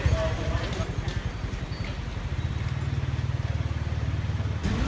สวัสดีครับทุกคน